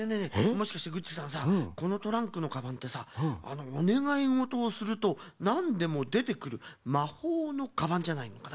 もしかしてグッチさんさあこのトランクのカバンってさおねがいごとをするとなんでもでてくるまほうのカバンじゃないのかな？